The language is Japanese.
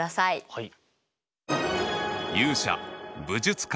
はい。